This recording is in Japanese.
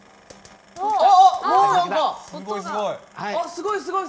すごいすごい。